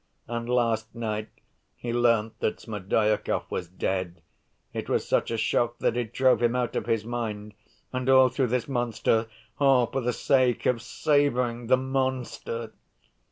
And last night he learnt that Smerdyakov was dead! It was such a shock that it drove him out of his mind ... and all through this monster, all for the sake of saving the monster!"